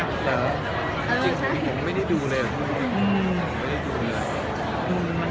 คงไม่ได้ดูเลย